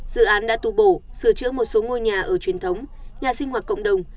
dự án đã tu bổ sửa chữa một số ngôi nhà ở truyền thống nhà sinh hoạt cộng đồng